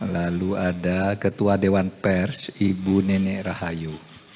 lalu ada ketua dewan pers ibu nenek rahayu